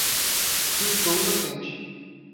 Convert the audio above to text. Eu sou inocente.